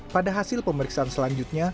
pada hasil pemeriksaan selanjutnya